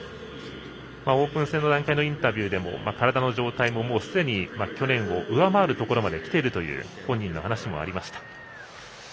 オープン戦の段階のインタビューでも、体の状態もすでに去年を上回るところまできているという本人の話もありました。